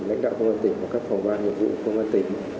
lãnh đạo công an tỉnh của các phòng ban nhiệm vụ công an tỉnh